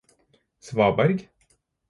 svaberg